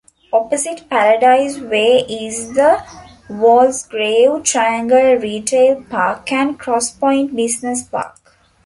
Opposite Paradise Way is the Walsgrave Triangle Retail Park and Cross Point Business Park.